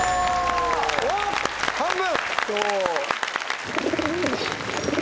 おっ半分！